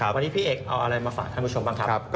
วันนี้พี่เอกเอาอะไรมาฝากท่านผู้ชมบ้างครับ